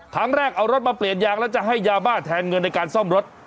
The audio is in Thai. ครั้งแรกเอารถมาเปลี่ยนยางแล้วจะให้ยาบ้าแทนเงินในการซ่อมรถ